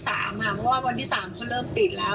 เพราะว่าวันที่๓เขาเริ่มปิดแล้ว